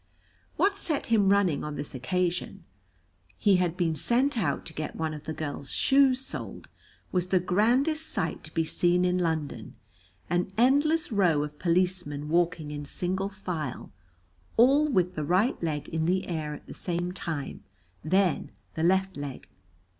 What set him running on this occasion (he had been sent out to get one of the girls' shoes soled) was the grandest sight to be seen in London an endless row of policemen walking in single file, all with the right leg in the air at the same time, then the left leg.